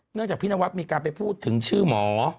เนื่องจากนางวัดมีการไปพูดถึงชื่อหมอ